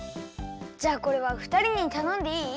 じゃあこれはふたりにたのんでいい？